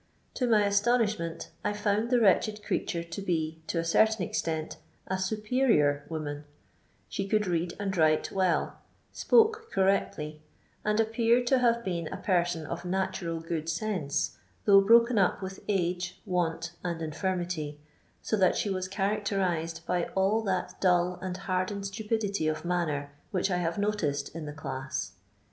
To my astonishment I found this wretched creature to be, to a certain extent, a "superior woman ; she could read and write well, spoke correctly, and appeared to have been a person of natuml good sense, though broken up with age, want, and infirmity, so that she \i'as characterized by all that dull and hardened stupidity of manner which I have noticed in the class.